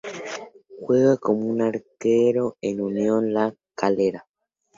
Juega como arquero en Unión La Calera.